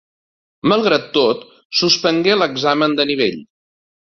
Malgrat tot, suspengué l'examen de nivell.